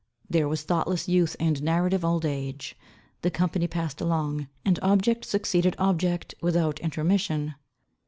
There was thoughtless youth and narrative old age. The company passed along, and object succeeded object without intermission.